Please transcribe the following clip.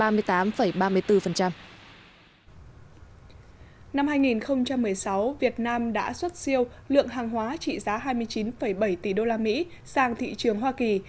năm hai nghìn một mươi sáu việt nam đã xuất siêu lượng hàng hóa trị giá hai mươi chín bảy tỷ usd sang thị trường hoa kỳ